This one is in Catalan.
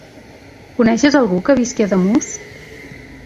Coneixes algú que visqui a Ademús?